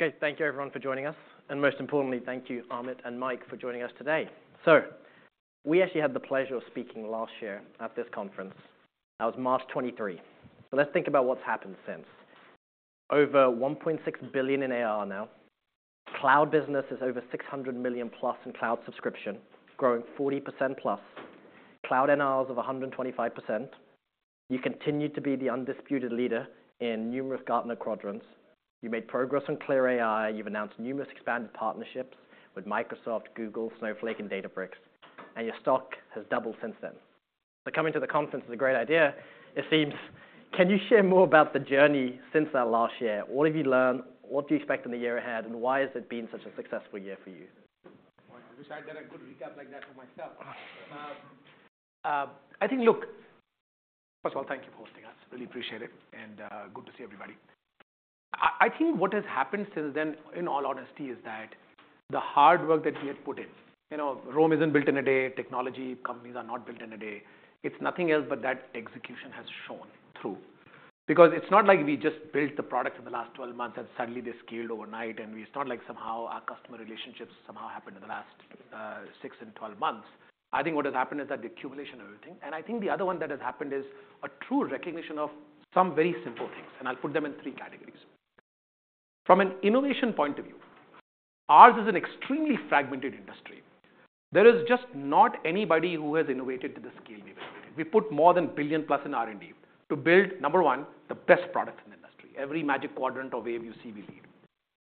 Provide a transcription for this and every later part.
Okay, thank you everyone for joining us, and most importantly, thank you, Amit and Mike, for joining us today. So we actually had the pleasure of speaking last year at this conference. That was March 2023. So let's think about what's happened since. Over $1.6 billion in ARR now. Cloud business is over $600 million+ in cloud subscription, growing 40%+. Cloud NRR of 125%. You continue to be the undisputed leader in numerous Gartner quadrants. You made progress on CLAIRE AI. You've announced numerous expanded partnerships with Microsoft, Google, Snowflake, and Databricks, and your stock has doubled since then. So coming to the conference is a great idea, it seems. Can you share more about the journey since that last year? What have you learned? What do you expect in the year ahead, and why has it been such a successful year for you? I wish I'd done a good recap like that for myself. I think, look, first of all, thank you for hosting us. Really appreciate it, and good to see everybody. I think what has happened since then, in all honesty, is that the hard work that we have put in. You know, Rome isn't built in a day. Technology companies are not built in a day. It's nothing else, but that execution has shone through. Because it's not like we just built the products in the last 12 months and suddenly they scaled overnight, and it's not like somehow our customer relationships somehow happened in the last, 6 and 12 months. I think what has happened is that the accumulation of everything, and I think the other one that has happened is a true recognition of some very simple things, and I'll put them in three categories. From an innovation point of view, ours is an extremely fragmented industry. There is just not anybody who has innovated to the scale we've innovated. We put more than $1 billion+ in R&D to build, number one, the best products in the industry. Every Magic Quadrant or wave you see, we lead.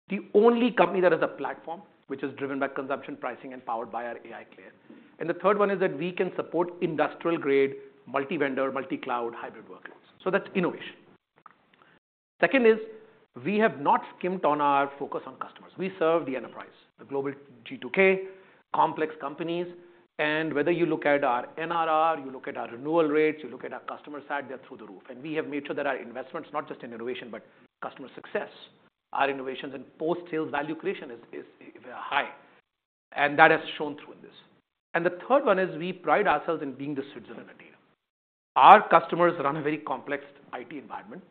The only company that is a platform, which is driven by consumption pricing and powered by our AI, CLAIRE. And the third one is that we can support industrial-grade, multi-vendor, multi-cloud, hybrid workloads, so that's innovation. Second is, we have not skimped on our focus on customers. We serve the enterprise, the global G2K, complex companies, and whether you look at our NRR, you look at our renewal rates, you look at our customer sat, they're through the roof. We have made sure that our investments, not just in innovation, but customer success, our innovations and post-sale value creation is, is, high, and that has shown through in this. The third one is we pride ourselves in being distributed in the data. Our customers run a very complex IT environment,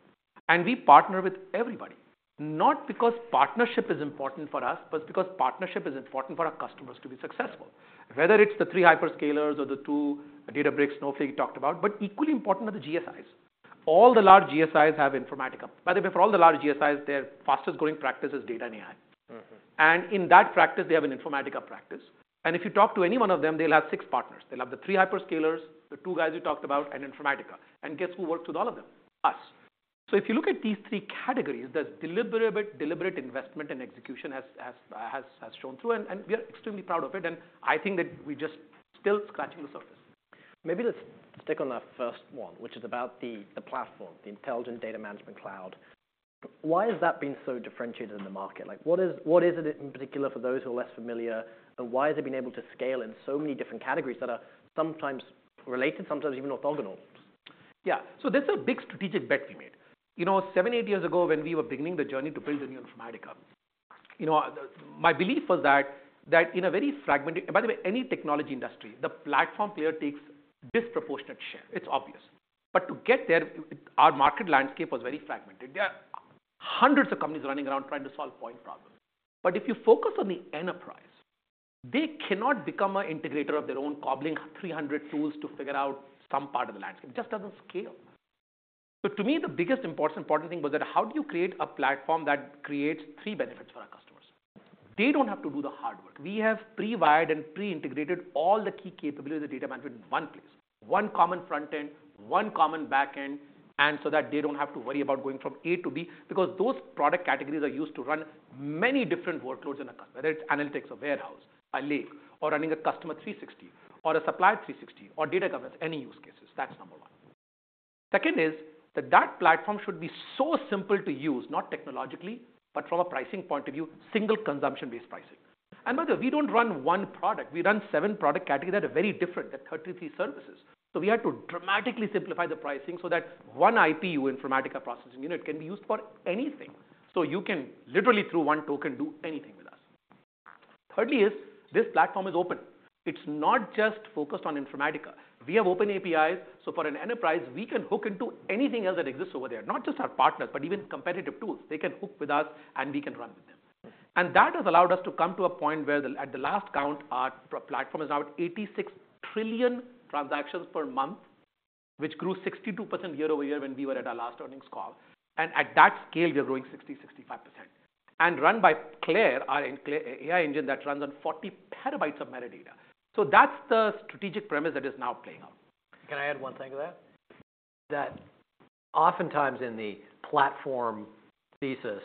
and we partner with everybody, not because partnership is important for us, but because partnership is important for our customers to be successful. Whether it's the three hyperscalers or the two, Databricks, Snowflake you talked about, but equally important are the GSIs. All the large GSIs have Informatica. By the way, for all the large GSIs, their fastest growing practice is data and AI. Mm-hmm. In that practice, they have an Informatica practice, and if you talk to any one of them, they'll have six partners. They'll have the three hyperscalers, the two guys we talked about, and Informatica. And guess who works with all of them? Us. So if you look at these three categories, the deliberate investment and execution has shown through, and we are extremely proud of it, and I think that we're just still scratching the surface. Maybe let's stick on that first one, which is about the platform, the Intelligent Data Management Cloud. Why has that been so differentiated in the market? Like, what is it in particular, for those who are less familiar, and why has it been able to scale in so many different categories that are sometimes related, sometimes even orthogonal? Yeah. So that's a big strategic bet we made. You know, 7, 8 years ago, when we were beginning the journey to build the new Informatica, you know, my belief was that in a very fragmented... By the way, any technology industry, the platform player takes disproportionate share. It's obvious. But to get there, our market landscape was very fragmented. There are hundreds of companies running around trying to solve point problems. But if you focus on the enterprise, they cannot become an integrator of their own, cobbling 300 tools to figure out some part of the landscape. It just doesn't scale. So to me, the biggest, important, important thing was that, how do you create a platform that creates three benefits for our customers? They don't have to do the hard work. We have pre-wired and pre-integrated all the key capabilities of data management in one place. One common front end, one common back end, and so that they don't have to worry about going from A to B, because those product categories are used to run many different workloads in a company, whether it's analytics, a warehouse, a lake, or running a Customer 360, or a Supplier 360, or data governance, any use cases. That's number one. Second is, that that platform should be so simple to use, not technologically, but from a pricing point of view, single consumption-based pricing. And by the way, we don't run one product. We run 7 product categories that are very different, they're 33 services. So we had to dramatically simplify the pricing so that one IPU, Informatica Processing Unit, can be used for anything. So you can literally, through one token, do anything with us. Thirdly is, this platform is open. It's not just focused on Informatica. We have open APIs, so for an enterprise, we can hook into anything else that exists over there, not just our partners, but even competitive tools. They can hook with us, and we can run with them. And that has allowed us to come to a point where the, at the last count, our platform is about 86 trillion transactions per month, which grew 62% year-over-year when we were at our last earnings call. And at that scale, we are growing 60%-65%. And run by CLAIRE, our CLAIRE AI engine, that runs on 40 PB of metadata. So that's the strategic premise that is now playing out. Can I add one thing to that? That oftentimes in the platform thesis,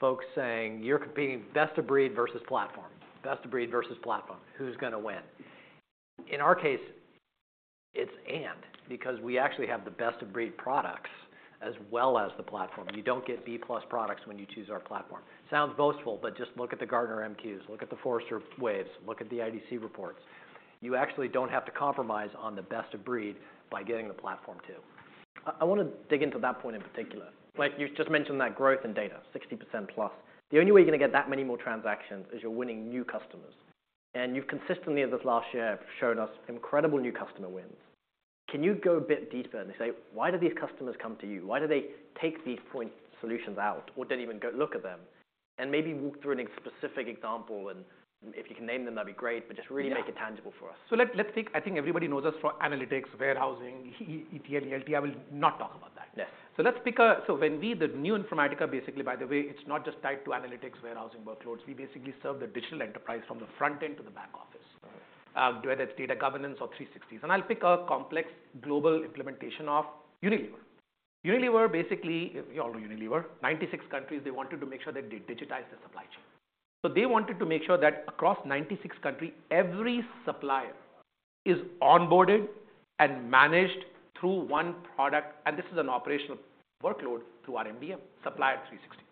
folks saying: You're competing best of breed versus platform. Best of breed versus platform. Who's gonna win? In our case, it's and, because we actually have the best of breed products as well as the platform. You don't get B-plus products when you choose our platform. Sounds boastful, but just look at the Gartner MQs, look at the Forrester Waves, look at the IDC reports. You actually don't have to compromise on the best of breed by getting the platform, too. I, I wanna dig into that point in particular. Like, you've just mentioned that growth in data, 60%+. The only way you're gonna get that many more transactions is you're winning new customers, and you've consistently, over this last year, shown us incredible new customer wins. Can you go a bit deeper and say, why do these customers come to you? Why do they take these point solutions out or don't even go look at them? And maybe walk through a specific example, and if you can name them, that'd be great, but just really make it tangible for us. So let's pick. I think everybody knows us for analytics, warehousing, ETL, ELT. I will not talk about that. Yes. So when we, the new Informatica, basically, by the way, it's not just tied to analytics, warehousing workloads. We basically serve the digital enterprise from the front end to the back office, whether it's data governance or 360s. And I'll pick a complex global implementation of Unilever. Unilever, basically, you all know Unilever, 96 countries, they wanted to make sure that they digitize the supply chain. So they wanted to make sure that across 96 countries, every supplier is onboarded and managed through one product, and this is an operational workload, through our MDM, Supplier 360.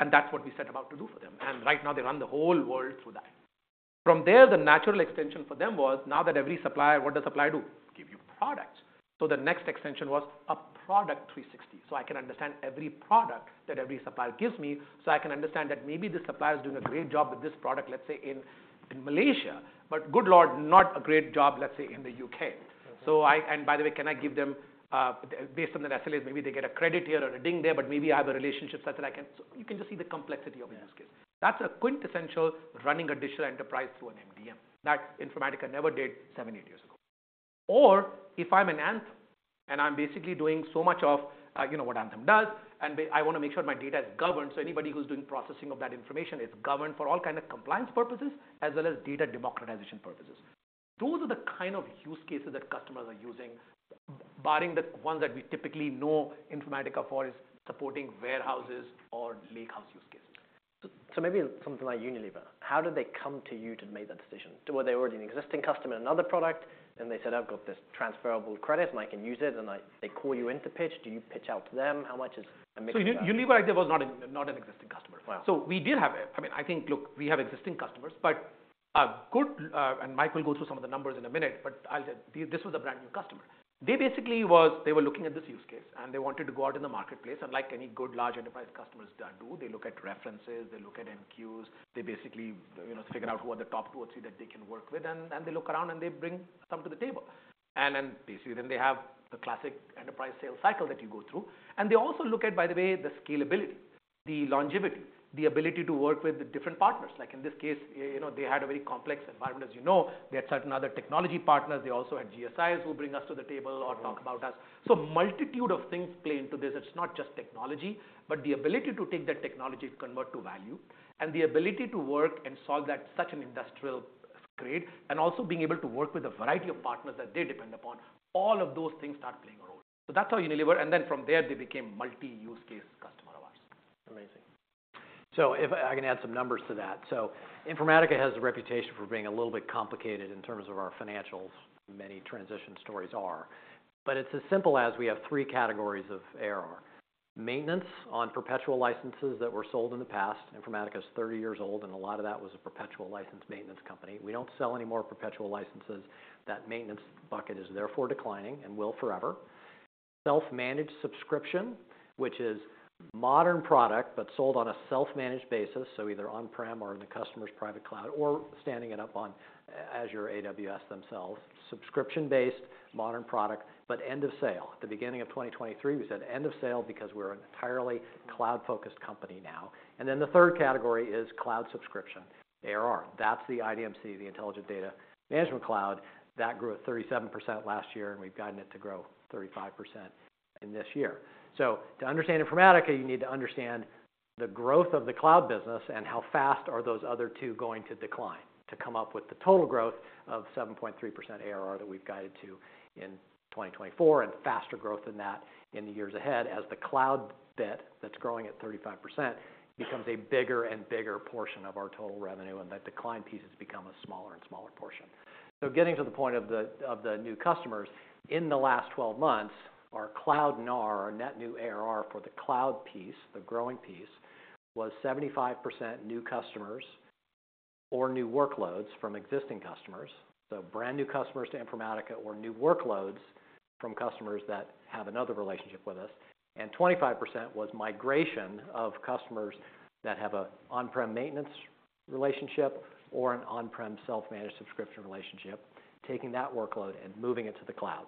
And that's what we set about to do for them, and right now, they run the whole world through that. From there, the natural extension for them was, now that every supplier... What does supplier do? Give you products. So the next extension was a Product 360, so I can understand every product that every supplier gives me, so I can understand that maybe this supplier is doing a great job with this product, let's say, in Malaysia, but good Lord, not a great job, let's say, in the U.K. Okay. And by the way, can I give them, based on the SLAs, maybe they get a credit here or a ding there, but maybe I have a relationship such that I can. So you can just see the complexity of use case. Yeah. That's a quintessential running a digital enterprise through an MDM that Informatica never did 7, 8 years ago. Or if I'm an Anthem, and I'm basically doing so much of, you know, what Anthem does, and I want to make sure my data is governed, so anybody who's doing processing of that information is governed for all kind of compliance purposes, as well as data democratization purposes. Those are the kind of use cases that customers are using, barring the ones that we typically know Informatica for, is supporting warehouses or lakehouse use cases. So, so maybe something like Unilever, how did they come to you to make that decision? Were they already an existing customer in another product, and they said, "I've got this transferable credit, and I can use it," and they call you in to pitch? Do you pitch out to them? How much is a mix of that? Unilever, I think, was not an existing customer. Wow! So we did have. I mean, I think, look, we have existing customers, but a good, and Mike will go through some of the numbers in a minute, but I'll just. This was a brand-new customer. They basically were looking at this use case, and they wanted to go out in the marketplace. Like any good large enterprise customers do, they look at references, they look at MQs. They basically, you know, figure out who are the top tools that they can work with, and, and they look around, and they bring some to the table. Then, basically, then they have the classic enterprise sales cycle that you go through. They also look at, by the way, the scalability, the longevity, the ability to work with the different partners. Like, in this case, you know, they had a very complex environment, as you know. They had certain other technology partners. They also had GSIs who bring us to the table or talk about us. Right. So multitude of things play into this. It's not just technology, but the ability to take that technology to convert to value, and the ability to work and solve that such an industrial grade, and also being able to work with a variety of partners that they depend upon. All of those things start playing a role. So that's how Unilever, and then from there, they became multi-use case customer of ours. Amazing. So if I can add some numbers to that. So Informatica has a reputation for being a little bit complicated in terms of our financials, many transition stories are. But it's as simple as we have three categories of ARR: Maintenance on perpetual licenses that were sold in the past. Informatica is 30 years old, and a lot of that was a perpetual license maintenance company. We don't sell any more perpetual licenses. That maintenance bucket is therefore declining and will forever. Self-managed subscription, which is modern product, but sold on a self-managed basis, so either on-prem or in the customer's private cloud or standing it up on Azure, AWS themselves. Subscription-based, modern product, but end of sale. At the beginning of 2023, we said end of sale because we're an entirely cloud-focused company now. And then the third category is cloud subscription, ARR. That's the IDMC, the Intelligent Data Management Cloud. That grew at 37% last year, and we've guided it to grow 35% in this year. So to understand Informatica, you need to understand the growth of the cloud business and how fast are those other two going to decline, to come up with the total growth of 7.3% ARR that we've guided to in 2024, and faster growth than that in the years ahead, as the cloud bit that's growing at 35% becomes a bigger and bigger portion of our total revenue, and that decline piece has become a smaller and smaller portion. So getting to the point of the, of the new customers, in the last 12 months, our cloud NAR, our net new ARR for the cloud piece, the growing piece, was 75% new customers or new workloads from existing customers. So brand new customers to Informatica or new workloads from customers that have another relationship with us, and 25% was migration of customers that have a on-prem maintenance relationship or an on-prem self-managed subscription relationship, taking that workload and moving it to the cloud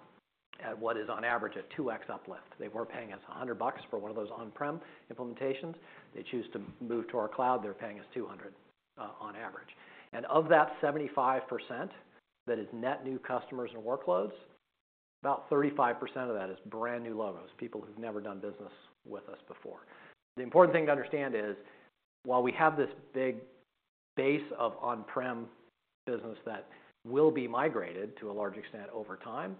at what is on average a 2x uplift. They were paying us $100 for one of those on-prem implementations. They choose to move to our cloud, they're paying us $200, on average. And of that 75%, that is net new customers and workloads, about 35% of that is brand new logos, people who've never done business with us before. The important thing to understand is, while we have this big base of on-prem business that will be migrated to a large extent over time,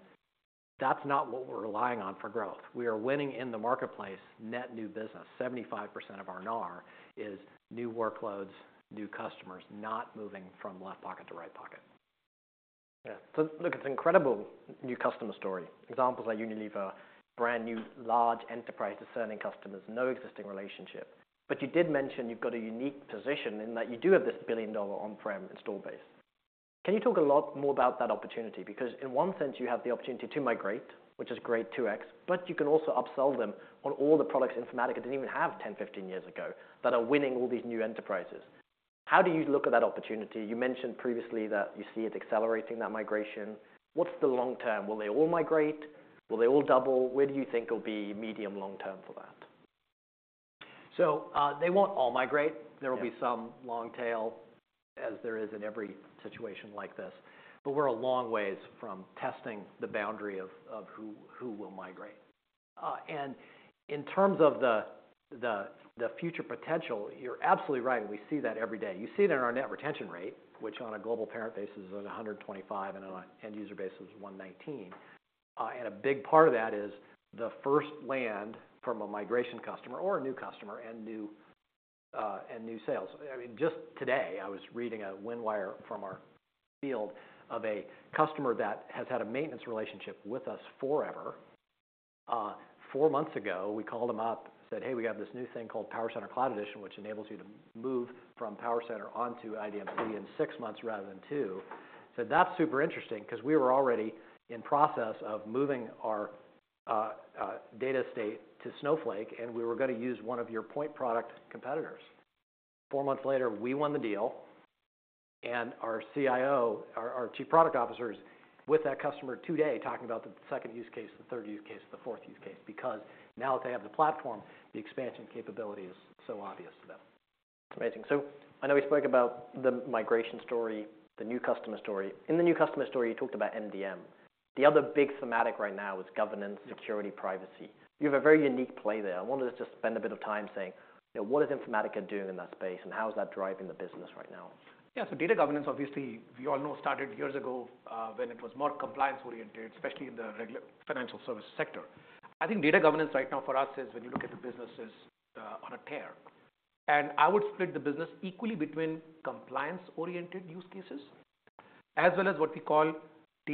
that's not what we're relying on for growth. We are winning in the marketplace net new business. 75% of our NAR is new workloads, new customers, not moving from left pocket to right pocket. Yeah. So look, it's incredible new customer story. Examples like Unilever, brand new, large enterprise-discerning customers, no existing relationship. But you did mention you've got a unique position in that you do have this billion-dollar on-prem install base. Can you talk a lot more about that opportunity? Because in one sense, you have the opportunity to migrate, which is great, 2x, but you can also upsell them on all the products Informatica didn't even have 10, 15 years ago, that are winning all these new enterprises... How do you look at that opportunity? You mentioned previously that you see it accelerating that migration. What's the long term? Will they all migrate? Will they all double? Where do you think it'll be medium, long term for that? They won't all migrate. Yeah. There will be some long tail, as there is in every situation like this, but we're a long ways from testing the boundary of who will migrate. And in terms of the future potential, you're absolutely right. We see that every day. You see it in our net retention rate, which on a global parent basis is 125, and on an end user basis is 119. And a big part of that is the first land from a migration customer or a new customer and new sales. I mean, just today, I was reading a win wire from our field of a customer that has had a maintenance relationship with us forever. Four months ago, we called him up, said, "Hey, we have this new thing called PowerCenter Cloud Edition, which enables you to move from PowerCenter onto IDMC in six months rather than two." He said, "That's super interesting, 'cause we were already in process of moving our data state to Snowflake, and we were gonna use one of your point product competitors." Four months later, we won the deal, and our CIO, our chief product officer, is with that customer today, talking about the second use case, the third use case, the fourth use case, because now that they have the platform, the expansion capability is so obvious to them. Amazing. So I know we spoke about the migration story, the new customer story. In the new customer story, you talked about MDM. The other big thematic right now is governance, security, privacy. You have a very unique play there. I wanted us to spend a bit of time saying, you know, what is Informatica doing in that space, and how is that driving the business right now? Yeah, so data governance, obviously, we all know, started years ago, when it was more compliance-oriented, especially in the regulated financial service sector. I think data governance right now for us is, when you look at the businesses, on a tear. And I would split the business equally between compliance-oriented use cases, as well as what we call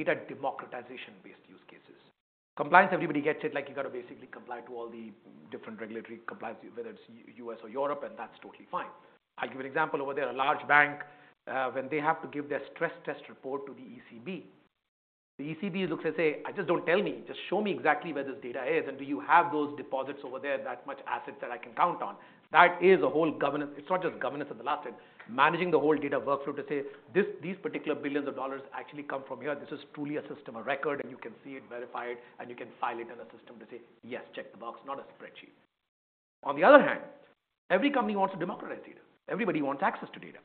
data democratization-based use cases. Compliance, everybody gets it, like, you got to basically comply to all the different regulatory compliance, whether it's U.S. or Europe, and that's totally fine. I'll give you an example. Over there, a large bank, when they have to give their stress test report to the ECB, the ECB looks and say, "Just don't tell me, just show me exactly where this data is, and do you have those deposits over there, that much assets that I can count on?" That is a whole governance... It's not just governance of the last end. Managing the whole data workflow to say, "This- these particular $ billions actually come from here. This is truly a system of record, and you can see it, verify it, and you can file it in a system to say, 'Yes, check the box,' not a spreadsheet." On the other hand, every company wants to democratize data. Everybody wants access to data,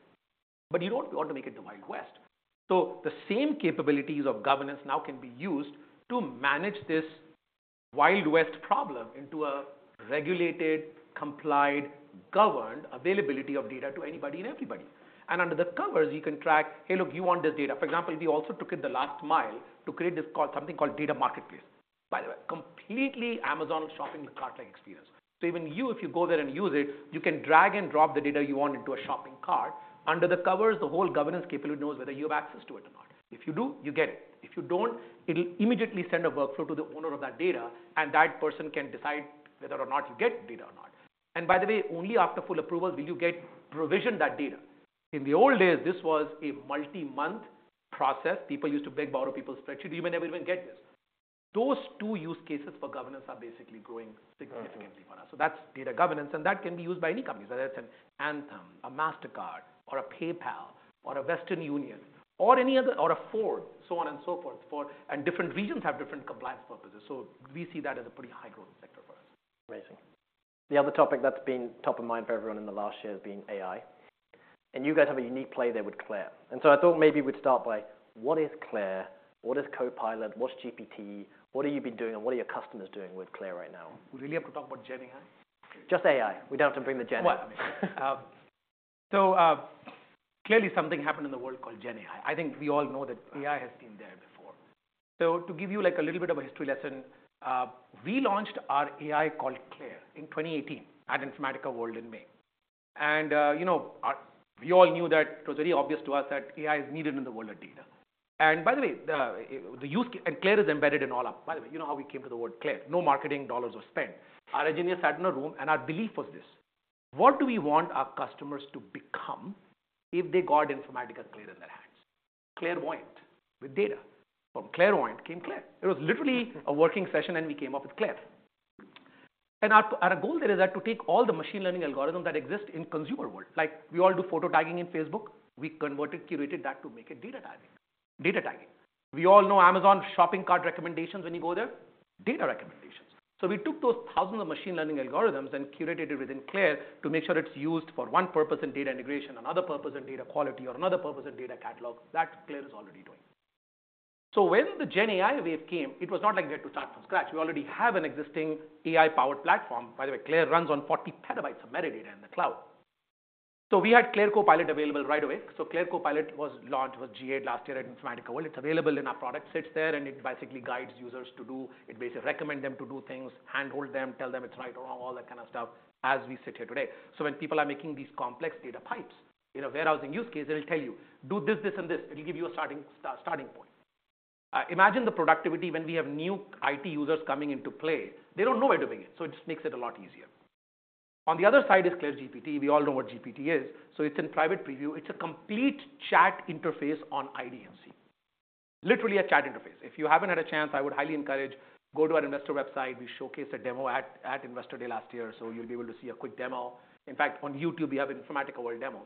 but you don't want to make it to Wild West. So the same capabilities of governance now can be used to manage this Wild West problem into a regulated, complied, governed availability of data to anybody and everybody. And under the covers, you can track, "Hey, look, you want this data." For example, we also took it the last mile to create something called Data Marketplace. By the way, completely Amazon shopping cart-like experience. So even you, if you go there and use it, you can drag and drop the data you want into a shopping cart. Under the covers, the whole governance capability knows whether you have access to it or not. If you do, you get it. If you don't, it'll immediately send a workflow to the owner of that data, and that person can decide whether or not you get data or not. And by the way, only after full approval will you get provisioned that data. In the old days, this was a multi-month process. People used to beg, borrow people's spreadsheet, even never even get this. Those two use cases for governance are basically growing significantly for us. Yeah. So that's data governance, and that can be used by any company, whether it's an Anthem, a Mastercard, or a PayPal, or a Western Union, or any other-- or a Ford, so on and so forth, for... And different regions have different compliance purposes, so we see that as a pretty high-growth sector for us. Amazing. The other topic that's been top of mind for everyone in the last year has been AI, and you guys have a unique play there with CLAIRE. And so I thought maybe we'd start by, what is CLAIRE? What is Copilot? What's GPT? What have you been doing, and what are your customers doing with CLAIRE right now? We really have to talk about GenAI? Just AI. We don't have to bring the GenAI. Well, so, clearly, something happened in the world called GenAI. I think we all know that AI has been there before. So to give you, like, a little bit of a history lesson, we launched our AI called CLAIRE in 2018 at Informatica World in May. You know, we all knew that it was very obvious to us that AI is needed in the world of data. And by the way, CLAIRE is embedded in all our... By the way, you know how we came to the word CLAIRE? No marketing dollars were spent. Our engineers sat in a room, and our belief was this: What do we want our customers to become if they got Informatica CLAIRE in their hands? Clairvoyant with data. From clairvoyant came CLAIRE. It was literally a working session, and we came up with CLAIRE. Our goal there is that to take all the machine learning algorithms that exist in consumer world, like we all do photo tagging in Facebook, we converted, curated that to make a data tagging, data tagging. We all know Amazon shopping cart recommendations when you go there, data recommendations. So we took those thousands of machine learning algorithms and curated it within CLAIRE to make sure it's used for one purpose in data integration, another purpose in data quality, or another purpose in data catalog. That CLAIRE is already doing. So when the GenAI wave came, it was not like we had to start from scratch. We already have an existing AI-powered platform. By the way, CLAIRE runs on 40 PB of metadata in the cloud. So we had CLAIRE Copilot available right away. So CLAIRE Copilot was launched with GA last year at Informatica World. It's available in our product, sits there, and it basically guides users to do... It basically recommend them to do things, handhold them, tell them it's right or wrong, all that kind of stuff, as we sit here today. So when people are making these complex data pipes, in a warehousing use case, it'll tell you, "Do this, this, and this." It'll give you a starting point. Imagine the productivity when we have new IT users coming into play. They don't know where to begin, so it just makes it a lot easier. On the other side is CLAIRE GPT. We all know what GPT is. So it's in private preview. It's a complete chat interface on IDMC. Literally a chat interface. If you haven't had a chance, I would highly encourage, go to our investor website. We showcased a demo at Investor Day last year, so you'll be able to see a quick demo. In fact, on YouTube, we have an Informatica World demo.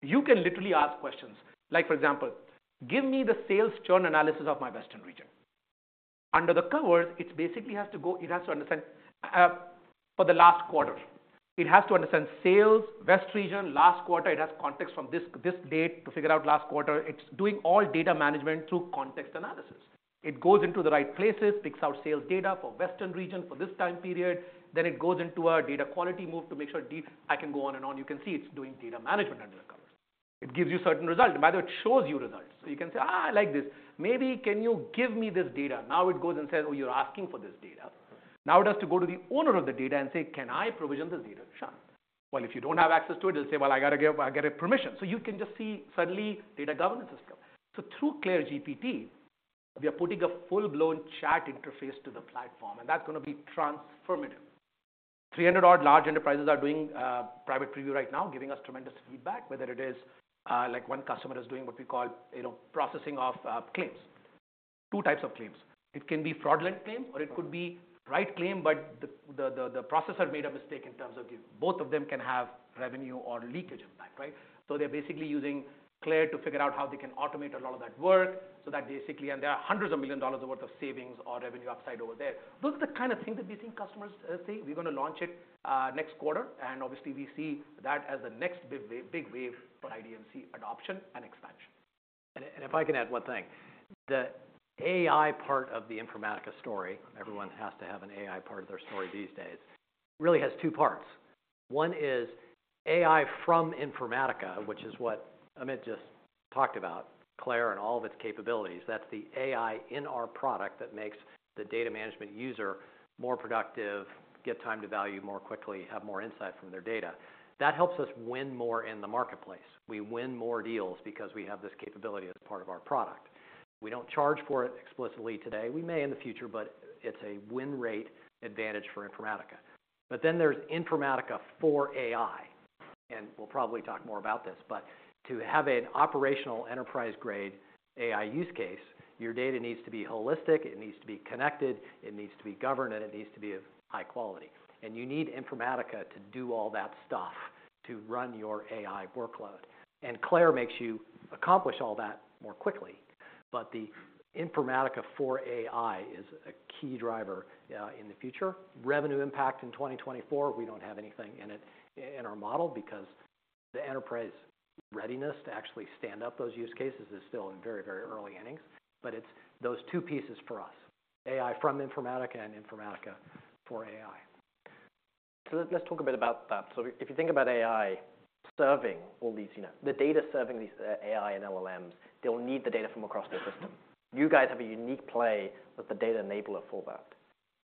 You can literally ask questions like, for example, "Give me the sales churn analysis of my Western region." Under the covers, it basically has to go - it has to understand for the last quarter. It has to understand sales, West region, last quarter. It has context from this date to figure out last quarter. It's doing all data management through context analysis. It goes into the right places, picks out sales data for Western region for this time period. Then it goes into our data quality move to make sure de - I can go on and on. You can see it's doing data management under the covers. It gives you certain results. And by the way, it shows you results. So you can say, "Ah, I like this. Maybe can you give me this data?" Now, it goes and says, "Oh, you're asking for this data." Now, it has to go to the owner of the data and say, "Can I provision this data? Sure." Well, if you don't have access to it, it'll say, "Well, I got to get a permission." So you can just see suddenly data governance system. So through CLAIRE GPT, we are putting a full-blown chat interface to the platform, and that's going to be transformative. 300-odd large enterprises are doing private preview right now, giving us tremendous feedback. Whether it is like one customer is doing what we call, you know, processing of claims. Two types of claims. It can be fraudulent claim, or it could be right claim, but the processor made a mistake in terms of this. Both of them can have revenue or leakage impact, right? So they're basically using CLAIRE to figure out how they can automate a lot of that work. So that basically... There are hundreds of millions of dollars worth of savings or revenue upside over there. Those are the kind of things that we think customers see. We're going to launch it next quarter, and obviously, we see that as the next big wave, big wave for IDMC adoption and expansion. If I can add one thing. The AI part of the Informatica story, everyone has to have an AI part of their story these days, really has two parts. One is AI from Informatica, which is what Amit just talked about, CLAIRE and all of its capabilities. That's the AI in our product that makes the data management user more productive, get time to value more quickly, have more insight from their data. That helps us win more in the marketplace. We win more deals because we have this capability as part of our product. We don't charge for it explicitly today. We may in the future, but it's a win rate advantage for Informatica. But then there's Informatica for AI, and we'll probably talk more about this. But to have an operational enterprise-grade AI use case, your data needs to be holistic, it needs to be connected, it needs to be governed, and it needs to be of high quality. And you need Informatica to do all that stuff to run your AI workload. And CLAIRE makes you accomplish all that more quickly. But the Informatica for AI is a key driver in the future. Revenue impact in 2024, we don't have anything in it, in our model, because the enterprise readiness to actually stand up those use cases is still in very, very early innings. But it's those two pieces for us, AI from Informatica and Informatica for AI. So let's talk a bit about that. So if you think about AI serving all these, you know, the data serving these AI and LLMs, they'll need the data from across the system. You guys have a unique play as the data enabler for that,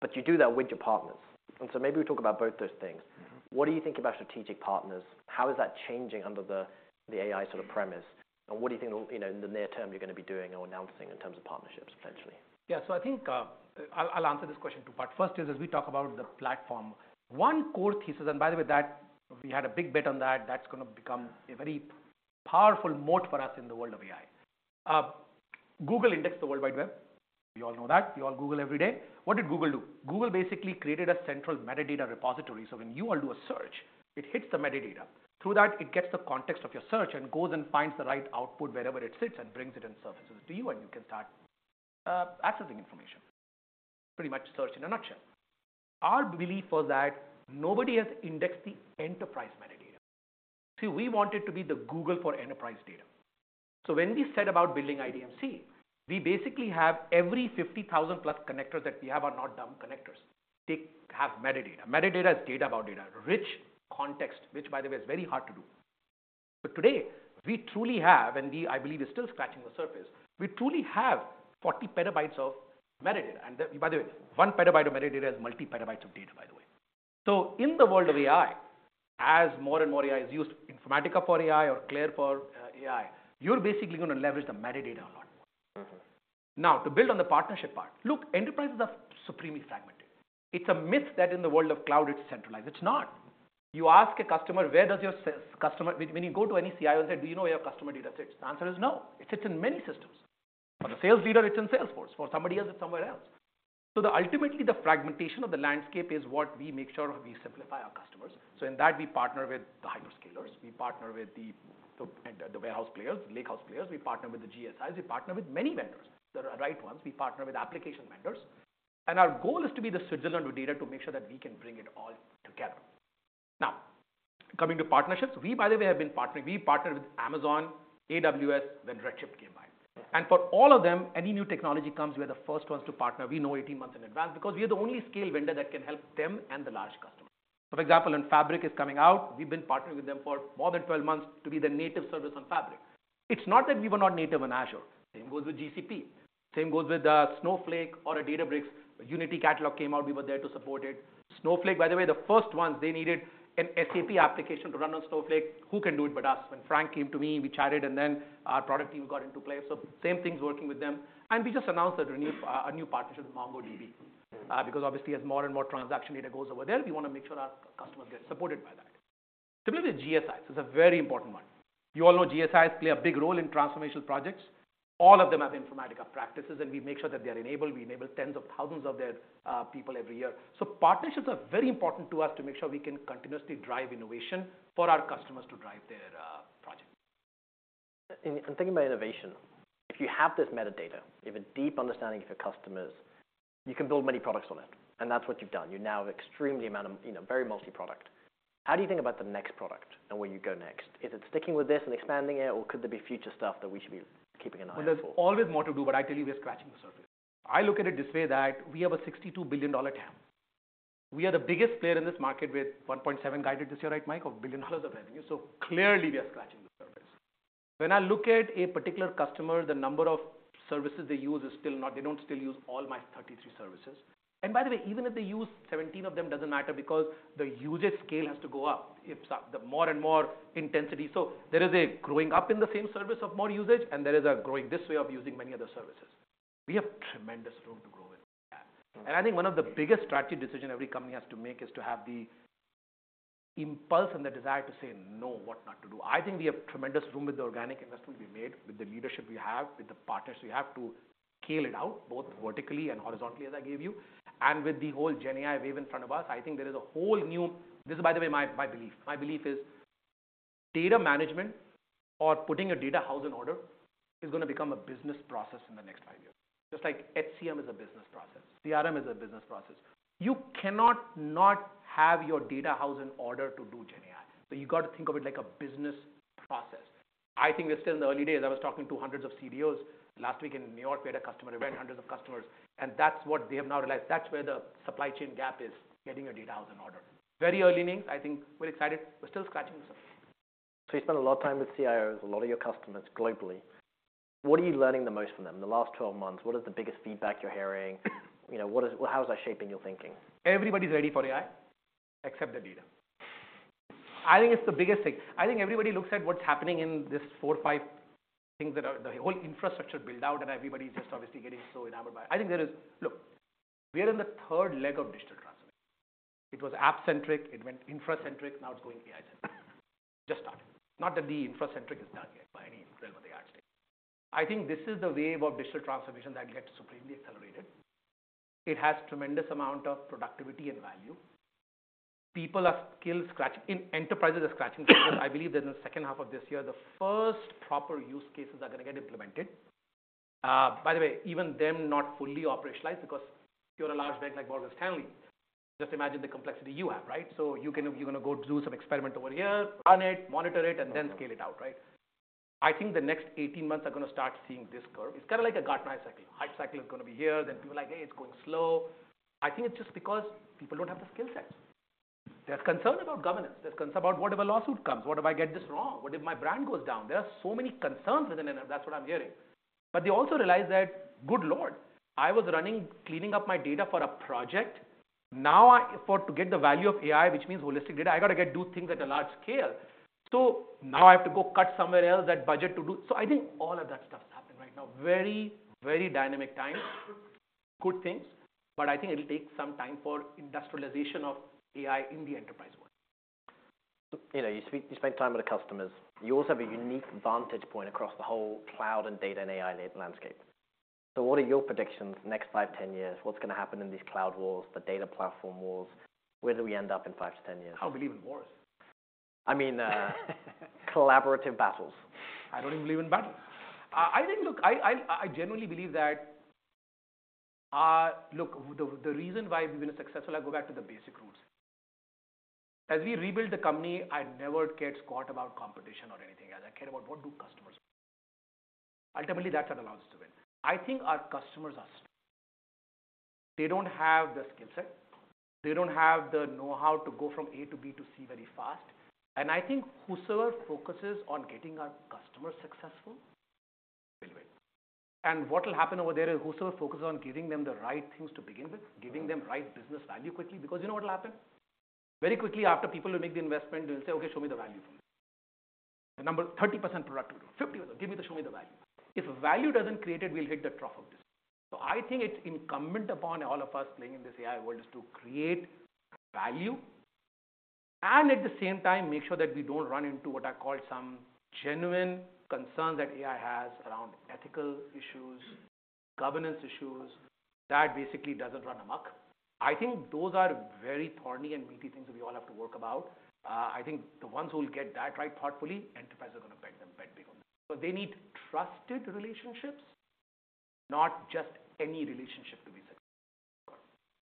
but you do that with your partners. And so maybe we talk about both those things. Mm-hmm. What do you think about strategic partners? How is that changing under the AI sort of premise? And what do you think will, you know, in the near term, you're going to be doing or announcing in terms of partnerships, potentially? Yeah. So I think, I'll answer this question in two part. First is, as we talk about the platform, one core thesis, and by the way, that we had a big bet on that, that's going to become a very powerful moat for us in the world of AI. Google indexed the World Wide Web. We all know that. We all Google every day. What did Google do? Google basically created a central metadata repository. So when you all do a search, it hits the metadata. Through that, it gets the context of your search and goes and finds the right output wherever it sits and brings it and surfaces to you, and you can start accessing information. Pretty much search in a nutshell. Our belief was that nobody has indexed the enterprise metadata. So we wanted to be the Google for enterprise data. So when we set about building IDMC, we basically have every 50,000+ connector that we have are not dumb connectors. They have metadata. Metadata is data about data, rich context, which, by the way, is very hard to do. But today, we truly have, and we, I believe, are still scratching the surface, we truly have 40 PB of metadata. And by the way, 1 PB of metadata is multi-petabytes by the way. So in the world of AI, as more and more AI is used, Informatica for AI or CLAIRE for AI, you're basically going to leverage the metadata a lot more. Mm-hmm. Now, to build on the partnership part, look, enterprises are supremely fragmented. It's a myth that in the world of cloud, it's centralized. It's not. You ask a customer. When you go to any CIO and say, "Do you know where your customer data sits?" The answer is no. It sits in many systems. For the sales leader, it's in Salesforce. For somebody else, it's somewhere else. So ultimately, the fragmentation of the landscape is what we make sure we simplify our customers. So in that, we partner with the hyperscalers, we partner with the warehouse players, lakehouse players, we partner with the GSIs, we partner with many vendors that are the right ones. We partner with application vendors. And our goal is to be the Switzerland with data to make sure that we can bring it all together. Now, coming to partnerships, we, by the way, have been partnering. We partnered with Amazon, AWS, then Redshift came by. For all of them, any new technology comes, we're the first ones to partner. We know 18 months in advance because we are the only scale vendor that can help them and the large customer. For example, when Fabric is coming out, we've been partnering with them for more than 12 months to be the native service on Fabric. It's not that we were not native on Azure. Same goes with GCP, same goes with Snowflake or Databricks. Unity Catalog came out, we were there to support it. Snowflake, by the way, the first ones, they needed an SAP application to run on Snowflake. Who can do it but us? When Frank came to me, we chatted, and then our product team got into play. So same things working with them. And we just announced that a new, a new partnership with MongoDB, because obviously, as more and more transaction data goes over there, we want to make sure our customers get supported by that. Similarly, GSIs is a very important one. You all know GSIs play a big role in transformational projects. All of them have Informatica practices, and we make sure that they are enabled. We enable tens of thousands of their people every year. So partnerships are very important to us to make sure we can continuously drive innovation for our customers to drive their projects. And thinking about innovation, if you have this metadata, you have a deep understanding of your customers, you can build many products on it, and that's what you've done. You now have extremely amount of—you know, very multi-product. How do you think about the next product and where you go next? Is it sticking with this and expanding it, or could there be future stuff that we should be keeping an eye out for? Well, there's always more to do, but I tell you, we're scratching the surface. I look at it this way, that we have a $62 billion TAM. We are the biggest player in this market with 1.7, guided this year, right, Mike? of billion dollars of revenue. So clearly, we are scratching the surface. When I look at a particular customer, the number of services they use is still not-- They don't still use all my 33 services. And by the way, even if they use 17 of them, doesn't matter because the usage scale has to go up. It's the more and more intensity. So there is a growing up in the same service of more usage, and there is a growing this way of using many other services. We have tremendous room to grow with that. And I think one of the biggest strategic decision every company has to make is to have the impulse and the desire to say no, what not to do. I think we have tremendous room with the organic investment we made, with the leadership we have, with the partners we have, to scale it out both vertically and horizontally, as I gave you. And with the whole GenAI wave in front of us, I think there is a whole new... This is, by the way, my, my belief. My belief is data management or putting your data house in order is gonna become a business process in the next five years. Just like HCM is a business process, CRM is a business process. You cannot not have your data house in order to do GenAI, so you've got to think of it like a business process. I think we're still in the early days. I was talking to hundreds of CDOs last week in New York. We had a customer event, hundreds of customers, and that's what they have now realized. That's where the supply chain gap is, getting your data house in order. Very early innings. I think we're excited. We're still scratching the surface. So you spend a lot of time with CIOs, a lot of your customers globally. What are you learning the most from them in the last 12 months? What is the biggest feedback you're hearing? You know, what is, how is that shaping your thinking? Everybody's ready for AI, except the data. I think it's the biggest thing. I think everybody looks at what's happening in these 4, 5 things that are the whole infrastructure build-out, and everybody's just obviously getting so enamored by it. I think there is. Look, we are in the third leg of digital transformation. It was app-centric, it went infra-centric, now it's going AI-centric. Just started. Not that the infra-centric is done yet by any stretch of the imagination. I think this is the wave of digital transformation that gets supremely accelerated. It has tremendous amount of productivity and value. People are skills short. Enterprises are short. I believe that in the second half of this year, the first proper use cases are gonna get implemented. By the way, even them not fully operationalized, because if you're a large bank like Morgan Stanley, just imagine the complexity you have, right? So you can—you're gonna go do some experiment over here, run it, monitor it- Okay. And then scale it out, right? I think the next 18 months are gonna start seeing this curve. It's kind of like a Gartner cycle. Hype cycle is gonna be here, then people are like, "Hey, it's going slow." I think it's just because people don't have the skill sets. They're concerned about governance. They're concerned about, "What if a lawsuit comes? What if I get this wrong? What if my brand goes down?" There are so many concerns within it, and that's what I'm hearing. But they also realize that, good Lord, I was running, cleaning up my data for a project. Now, I—for to get the value of AI, which means holistic data, I got to get—do things at a large scale. So now I have to go cut somewhere else that budget to do... I think all of that stuff is happening right now. Very, very dynamic times. Good things, but I think it'll take some time for industrialization of AI in the enterprise world. You know, you spend time with the customers. You also have a unique vantage point across the whole cloud and data and AI landscape. So what are your predictions next 5, 10 years? What's gonna happen in these cloud wars, the data platform wars? Where do we end up in 5-10 years? I don't believe in wars. I mean, collaborative battles. I don't even believe in battles. I think... Look, I genuinely believe that... Look, the reason why we've been successful, I go back to the basic roots. As we rebuild the company, I never cared squat about competition or anything else. I care about what do customers want. Ultimately, that's what allows us to win. I think our customers are- They don't have the skill set. They don't have the know-how to go from A to B to C very fast. And I think whosoever focuses on getting our customers successful, will win. And what will happen over there is, whosoever focuses on giving them the right things to begin with, giving them right business value quickly. Because you know what will happen? Very quickly after people will make the investment, they'll say, "Okay, show me the value. The number 30% productivity, 50, give me the-- show me the value." If value doesn't create it, we'll hit the trough of this. So I think it's incumbent upon all of us playing in this AI world, is to create value and at the same time, make sure that we don't run into what I call some genuine concerns that AI has around ethical issues, governance issues, that basically doesn't run amok. I think those are very thorny and meaty things that we all have to work about. I think the ones who will get that right thoughtfully, enterprises are gonna bet them, bet big on them. So they need trusted relationships, not just any relationship to be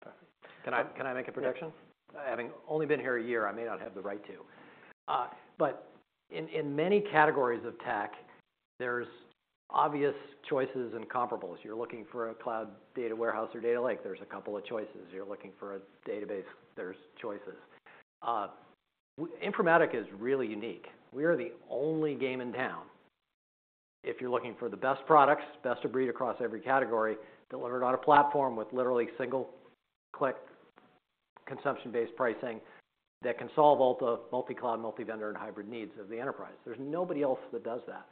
successful. Can I make a prediction? Yes. Having only been here a year, I may not have the right to. But in many categories of tech, there's obvious choices and comparables. You're looking for a cloud data warehouse or data lake, there's a couple of choices. You're looking for a database, there's choices. Informatica is really unique. We are the only game in town. If you're looking for the best products, best of breed across every category, delivered on a platform with literally single-click, consumption-based pricing, that can solve all the multi-cloud, multi-vendor, and hybrid needs of the enterprise. There's nobody else that does that.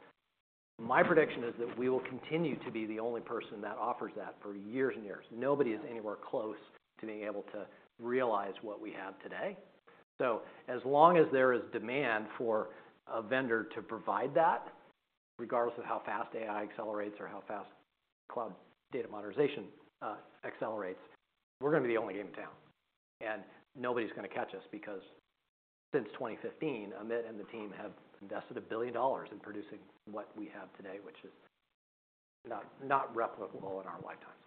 My prediction is that we will continue to be the only person that offers that for years and years. Nobody is anywhere close to being able to realize what we have today. So as long as there is demand for a vendor to provide that, regardless of how fast AI accelerates or how fast cloud data modernization accelerates, we're gonna be the only game in town, and nobody's gonna catch us. Because since 2015, Amit and the team have invested $1 billion in producing what we have today, which is not replicable in our lifetime.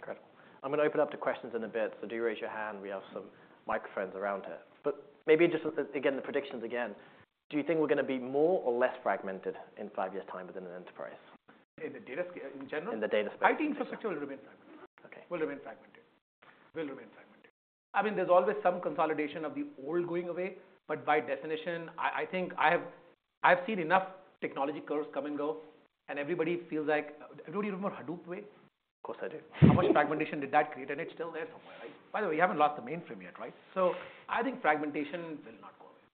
Correct. I'm gonna open up to questions in a bit, so do raise your hand. We have some microphones around here. But maybe just, again, the predictions again, do you think we're gonna be more or less fragmented in five years' time within an enterprise? In the data scale, in general? In the data space. IT infrastructure will remain fragmented. Okay. Will remain fragmented. Will remain fragmented. I mean, there's always some consolidation of the old going away, but by definition, I, I think I have. I've seen enough technology curves come and go, and everybody feels like... Anybody remember Hadoop wave? Of course, I do. How much fragmentation did that create? It's still there somewhere, right? By the way, we haven't lost the mainframe yet, right? I think fragmentation will not go away.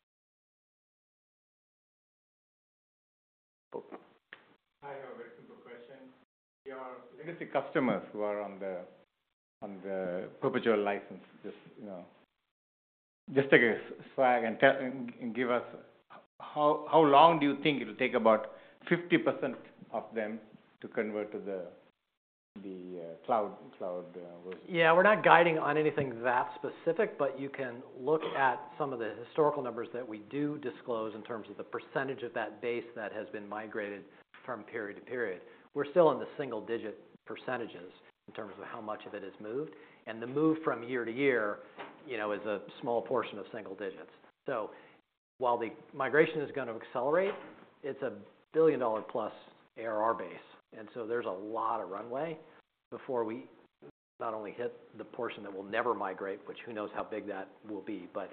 Cool. I have a very simple question. Your legacy customers who are on the perpetual license, just, you know, just take a swag and tell and give us how long do you think it'll take about 50% of them to convert to the cloud version? Yeah, we're not guiding on anything that specific, but you can look at some of the historical numbers that we do disclose in terms of the percentage of that base that has been migrated from period to period. We're still in the single-digit percentages in terms of how much of it is moved, and the move from year to year, you know, is a small portion of single digits. So while the migration is gonna accelerate, it's a billion-dollar-plus ARR base, and so there's a lot of runway before we not only hit the portion that will never migrate, which who knows how big that will be, but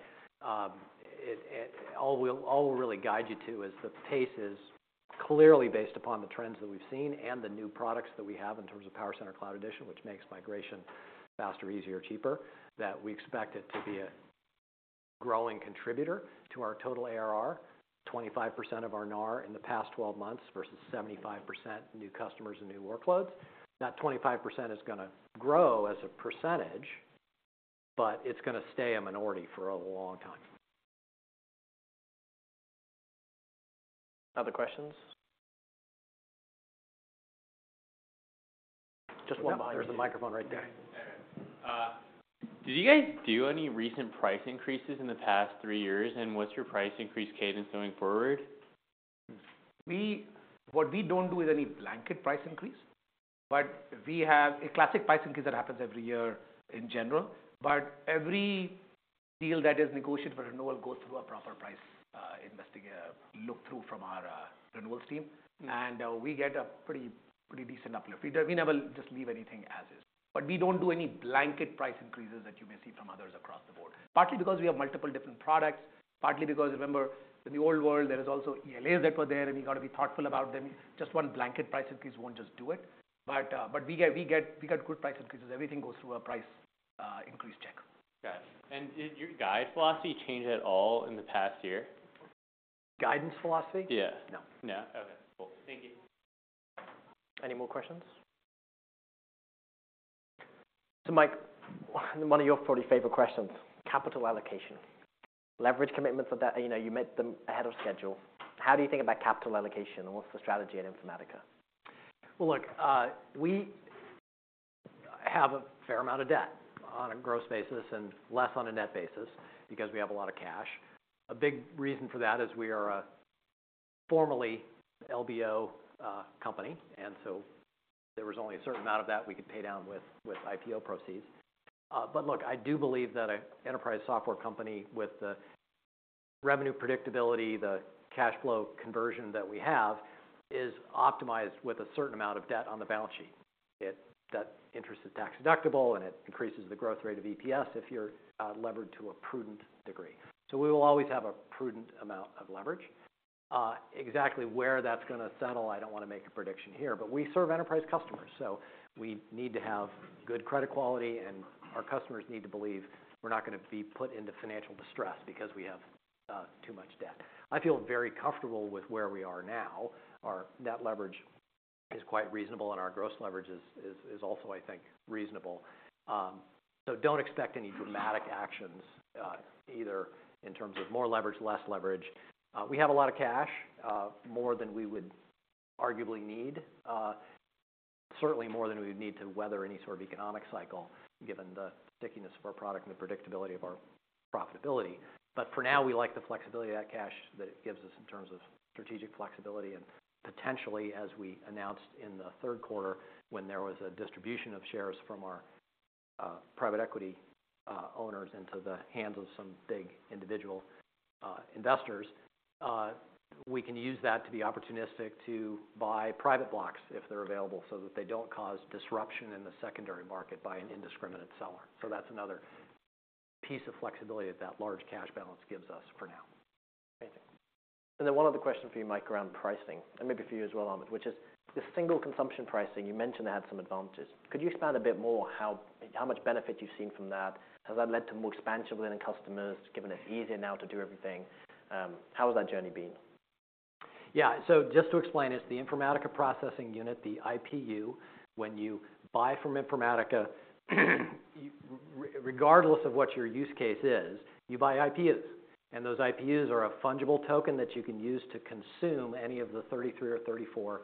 all we'll really guide you to is the pace is clearly based upon the trends that we've seen and the new products that we have in terms of PowerCenter Cloud Edition, which makes migration faster, easier, cheaper, that we expect it to be a growing contributor to our total ARR, 25% of our NAR in the past 12 months versus 75% new customers and new workloads. That 25% is gonna grow as a percentage, but it's gonna stay a minority for a long time. Other questions? Just one behind- Yeah, there's a microphone right there. All right. Did you guys do any recent price increases in the past three years, and what's your price increase cadence going forward? What we don't do is any blanket price increase, but we have a classic price increase that happens every year in general. But every deal that is negotiated for renewal goes through a proper price investigation look through from our renewals team, and we get a pretty, pretty decent uplift. We never just leave anything as is. But we don't do any blanket price increases that you may see from others across the board. Partly because we have multiple different products, partly because, remember, in the old world, there is also ELAs that were there, and we've got to be thoughtful about them. Just one blanket price increase won't just do it. But we get good price increases. Everything goes through a price increase check. Got it. Did your guiding philosophy change at all in the past year? Guidance philosophy? Yeah. No. No? Okay, cool. Thank you. Any more questions? So Mike, one of your probably favorite questions, capital allocation. Leverage commitments of that, you know, you met them ahead of schedule. How do you think about capital allocation, and what's the strategy at Informatica? Well, look, we have a fair amount of debt on a gross basis and less on a net basis because we have a lot of cash. A big reason for that is we are formerly LBO company, and so there was only a certain amount of that we could pay down with IPO proceeds. But look, I do believe that an enterprise software company with the revenue predictability, the cash flow conversion that we have, is optimized with a certain amount of debt on the balance sheet. That interest is tax deductible, and it increases the growth rate of EPS if you're levered to a prudent degree. So we will always have a prudent amount of leverage. Exactly where that's gonna settle, I don't want to make a prediction here, but we serve enterprise customers, so we need to have good credit quality, and our customers need to believe we're not gonna be put into financial distress because we have too much debt. I feel very comfortable with where we are now. Our net leverage is quite reasonable, and our gross leverage is also, I think, reasonable. So don't expect any dramatic actions, either in terms of more leverage, less leverage. We have a lot of cash, more than we would arguably need, certainly more than we would need to weather any sort of economic cycle, given the stickiness of our product and the predictability of our profitability. But for now, we like the flexibility of that cash that it gives us in terms of strategic flexibility, and potentially, as we announced in the third quarter, when there was a distribution of shares from our private equity owners into the hands of some big individual investors, we can use that to be opportunistic to buy private blocks if they're available, so that they don't cause disruption in the secondary market by an indiscriminate seller. So that's another piece of flexibility that that large cash balance gives us for now. Great. And then one other question for you, Mike, around pricing, and maybe for you as well, Amit, which is the single consumption pricing. You mentioned it had some advantages. Could you expand a bit more how much benefit you've seen from that? Has that led to more expansion within customers, given it's easier now to do everything? How has that journey been? Yeah. So just to explain, it's the Informatica Processing Unit, the IPU. When you buy from Informatica, regardless of what your use case is, you buy IPUs. And those IPUs are a fungible token that you can use to consume any of the 33 or 34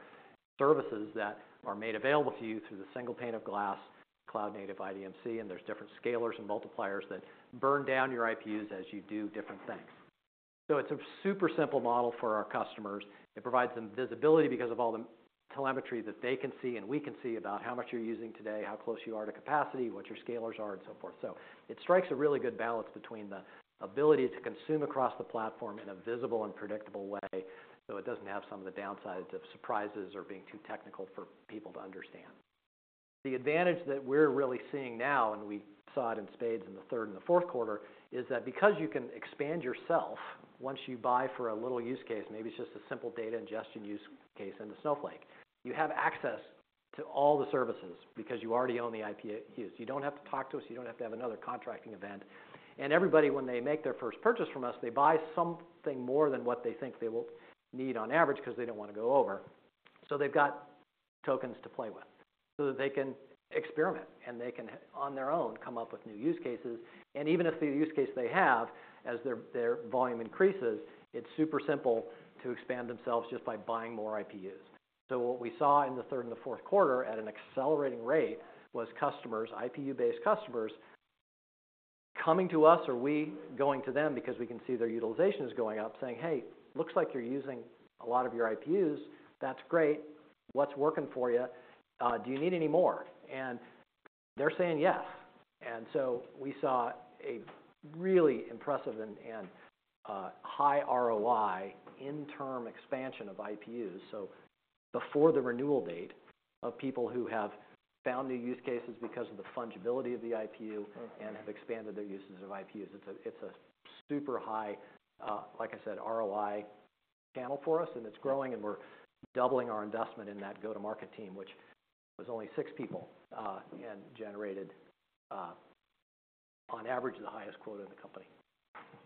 services that are made available to you through the single pane of glass, cloud native IDMC, and there's different scalars and multipliers that burn down your IPUs as you do different things. So it's a super simple model for our customers. It provides them visibility because of all the telemetry that they can see, and we can see about how much you're using today, how close you are to capacity, what your scalars are, and so forth. So it strikes a really good balance between the ability to consume across the platform in a visible and predictable way, so it doesn't have some of the downsides of surprises or being too technical for people to understand. The advantage that we're really seeing now, and we saw it in spades in the third and the fourth quarter, is that because you can expand yourself, once you buy for a little use case, maybe it's just a simple data ingestion use case into Snowflake. You have access to all the services because you already own the IPUs. You don't have to talk to us. You don't have to have another contracting event. And everybody, when they make their first purchase from us, they buy something more than what they think they will need on average, because they don't want to go over. So they've got tokens to play with so that they can experiment, and they can, on their own, come up with new use cases. And even if the use case they have, as their, their volume increases, it's super simple to expand themselves just by buying more IPUs. So what we saw in the third and the fourth quarter at an accelerating rate, was customers, IPU-based customers, coming to us or we going to them because we can see their utilization is going up, saying, "Hey, looks like you're using a lot of your IPUs. That's great. What's working for you? Do you need any more?" And they're saying, "Yes." And so we saw a really impressive and high ROI in term expansion of IPUs. So before the renewal date of people who have found new use cases because of the fungibility of the IPU and have expanded their uses of IPUs. It's a super high, like I said, ROI channel for us, and it's growing, and we're doubling our investment in that go-to-market team, which was only 6 people, and generated, on average, the highest quota in the company.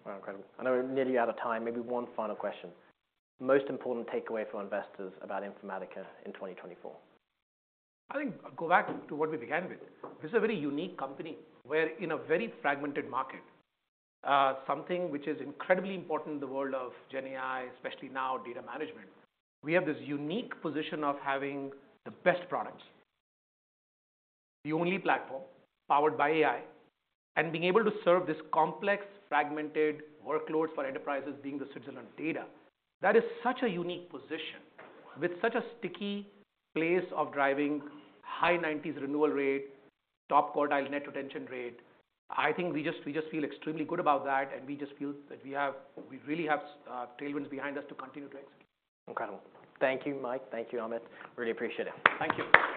Wow, incredible. I know we're nearly out of time. Maybe one final question. Most important takeaway for investors about Informatica in 2024? I think go back to what we began with. This is a very unique company. We're in a very fragmented market, something which is incredibly important in the world of GenAI, especially now, data management. We have this unique position of having the best products, the only platform powered by AI, and being able to serve this complex, fragmented workloads for enterprises being the citizen of data. That is such a unique position with such a sticky place of driving high 90s renewal rate, top quartile net retention rate. I think we just, we just feel extremely good about that, and we just feel that we have, we really have, tailwinds behind us to continue to execute. Incredible. Thank you, Mike. Thank you, Amit. Really appreciate it. Thank you.